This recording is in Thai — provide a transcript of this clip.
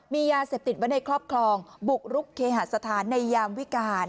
มียาเสพติดไว้ในครอบครองบุกรุกเคหาสถานในยามวิการ